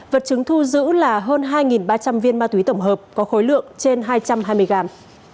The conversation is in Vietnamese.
vật chứng thu giữ là hơn hai ba trăm linh viên ma túy tổng hợp có khối lượng trên hai trăm hai mươi gram